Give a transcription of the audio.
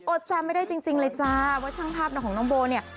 แซมไม่ได้จริงเลยจ้าว่าช่างภาพของน้องโบเนี่ย